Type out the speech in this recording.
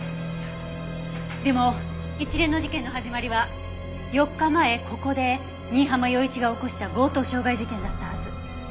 でも一連の事件の始まりは４日前ここで新浜陽一が起こした強盗傷害事件だったはず。